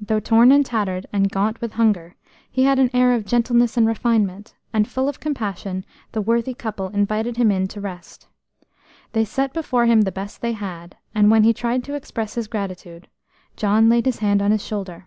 Though torn and tattered, and gaunt with hunger, he had an air of gentleness and refinement, and, full of compassion, the worthy couple invited him in to rest. They set before him the best they had, and, when he tried to express his gratitude, John laid his hand on his shoulder.